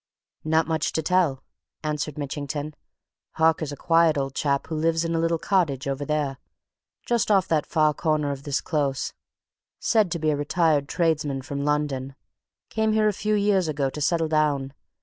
"Not so much to tell," answered Mitchington. "Harker's a quiet old chap who lives in a little house over there just off that far corner of this Close. Said to be a retired tradesman, from London. Came here a few years ago, to settle down.